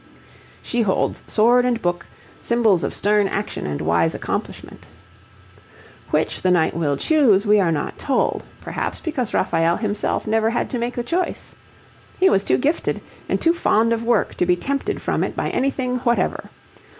She holds sword and book, symbols of stern action and wise accomplishment. Which the knight will choose we are not told, perhaps because Raphael himself never had to make the choice. He was too gifted and too fond of work to be tempted from it by anything whatever.